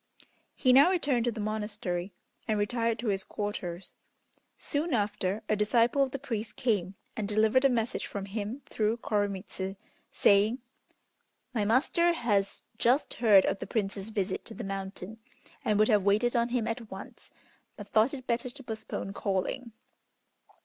He now returned to the monastery, and retired to his quarters. Soon after a disciple of the priest came and delivered a message from him through Koremitz, saying, "My master has just heard of the Prince's visit to the mountain, and would have waited on him at once, but thought it better to postpone calling.